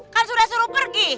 kan sudah suruh pergi